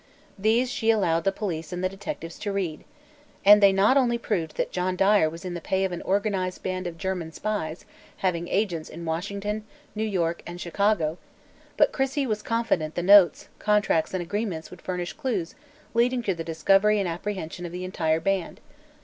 These she allowed the police and the detectives to read, arid they not only proved that John Dyer was in the pay of an organized band of German spies having agents in Washington, New York and Chicago, but Crissey was confident the notes, contracts and agreements would furnish clues leading to the discovery and apprehension of the entire band.